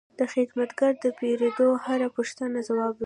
دا خدمتګر د پیرود هره پوښتنه ځوابوي.